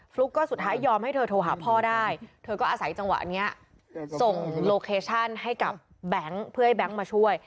ลุ๊กก็สุดท้ายยอมให้เธอโทรหาพ่อได้เธอก็อาศัยจังหวะนี้ส่งโลเคชั่นให้กับแบงค์เพื่อให้แบงค์มาช่วย